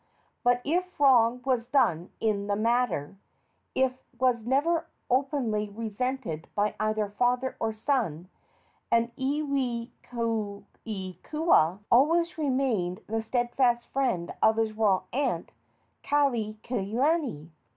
But, if wrong was done in the matter, it was never openly resented by either father or son, and Iwikauikaua always remained the steadfast friend of his royal aunt, Kaikilani.